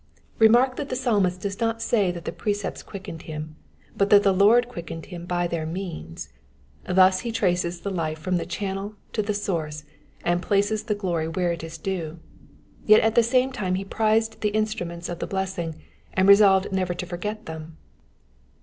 Remark that the Psalmist does not say that the precepts quickened him, but that the Lord quickened him by their means : thus he traces the life from the channel to the source, and places the glory where it is due. Yet at the same time he prized the instruments of the blessing, and resolved never to furget them.